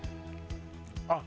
あっ！